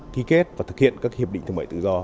ký kết và thực hiện các hiệp định thương mại tự do